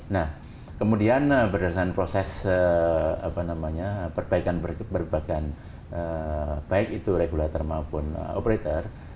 nah kemudian berdasarkan proses perbaikan baik itu regulator maupun operator